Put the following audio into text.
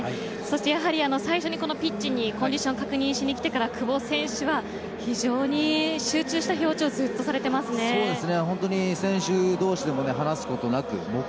やはり最初に、このピッチにコンディション確認しに来てから久保選手は非常に集中した表情をずっとされていますね。